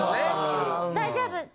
大丈夫！